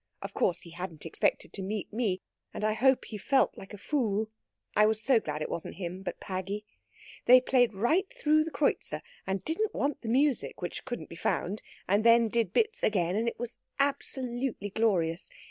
Of course, he hadn't expected to meet me, and I hope he felt like a fool. I was so glad it wasn't him, but Paggy. They played right through the Kreutzer, and didn't want the music, which couldn't be found, and then did bits again, and it was absolutely glorious.